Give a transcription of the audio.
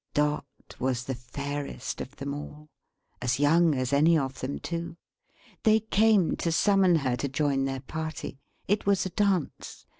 Dot was the fairest of them all; as young as any of them too. They came to summon her to join their party. It was a dance.